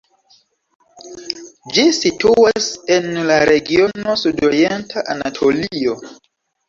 Ĝi situas en la regiono Sudorienta Anatolio.